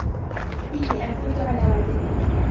إني أعتمد على وعدك.